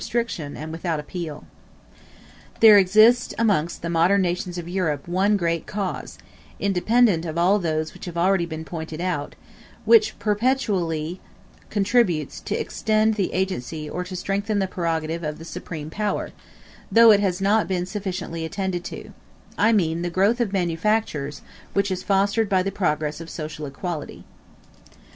] There exists amongst the modern nations of Europe one great cause, independent of all those which have already been pointed out, which perpetually contributes to extend the agency or to strengthen the prerogative of the supreme power, though it has not been sufficiently attended to: I mean the growth of manufactures, which is fostered by the progress of social equality.